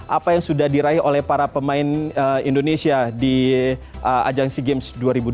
apa yang sudah diraih oleh para pemain indonesia di ajang sea games dua ribu dua puluh